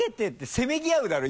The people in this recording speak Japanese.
せめぎ合うだろ？